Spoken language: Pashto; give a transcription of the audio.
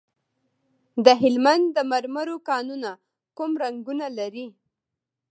د هلمند د مرمرو کانونه کوم رنګونه لري؟